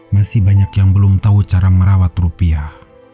masih banyak yang belum tahu cara merawat rupiah